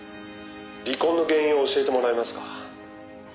「離婚の原因を教えてもらえますか？」